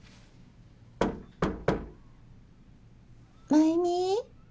真弓？